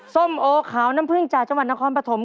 ส้มโอขาวน้ำผึ้งจากจังหวัดนครปฐม